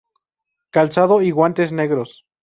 Calzado y guantes negros.